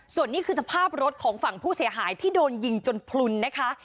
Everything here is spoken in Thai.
ส่วนนี้คือสภาพรถของฝั่งผู้เสียหายที่โดนยิงจนพลุนนะคะ